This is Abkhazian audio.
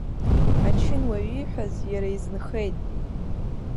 Ачынуаҩ ииҳәаз иара изынхеит.